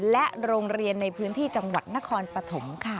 และโรงเรียนในพื้นที่จังหวัดนครปฐมค่ะ